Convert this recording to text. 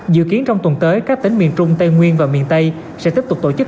dự kiến trong tuần tới các tỉnh miền trung tây nguyên và miền tây sẽ tiếp tục tổ chức